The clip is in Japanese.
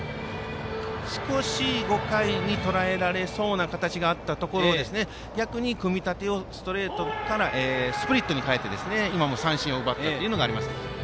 少し５回にとらえられそうな形があったところから逆に組み立てをストレートからスプリットに変えて今も三振を奪ったのがありました。